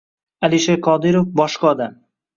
Alisher Qodirov boshqa odam